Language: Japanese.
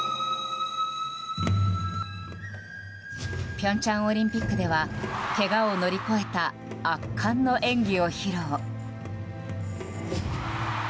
平昌オリンピックではけがを乗り越えた圧巻の演技を披露。